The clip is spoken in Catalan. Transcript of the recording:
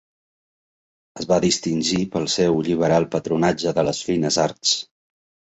Es va distingir pel seu lliberal patronatge de les fines arts.